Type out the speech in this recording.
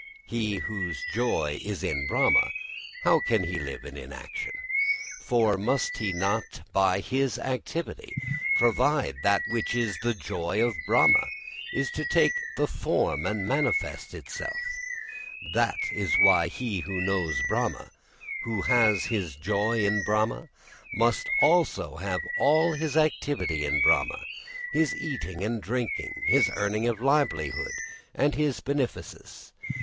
He whose joy is in Brahma, how can he live in inaction? For must he not by his activity provide that in which the joy of Brahma is to take form and manifest itself? That is why he who knows Brahma, who has his joy in Brahma, must also have all his activity in Brahma his eating and drinking, his earning of livelihood and his beneficence.